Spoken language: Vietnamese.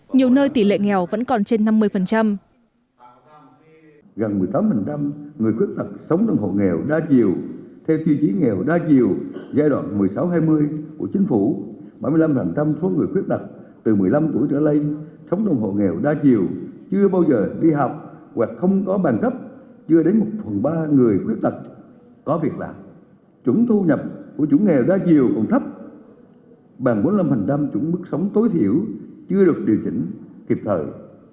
nhiều nơi tỉ lệ nghèo vẫn còn thấp bằng bốn mươi năm chủng mức sống tối thiểu chưa được điều chỉnh kịp thời